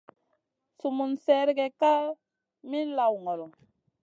Sum mun sergue Kay min lawn ngolo.